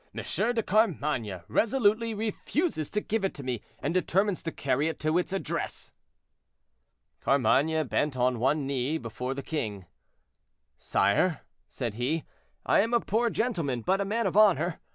de Carmainges resolutely refuses to give it to me, and determines to carry it to its address." Carmainges bent one knee before the king. "Sire," said he, "I am a poor gentleman, but a man of honor.